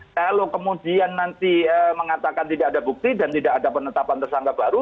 kalau kemudian nanti mengatakan tidak ada bukti dan tidak ada penetapan tersangka baru